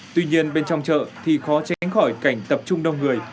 tuy nhiên bên trong chợ thì khó tránh khỏi cảnh tập trung đông người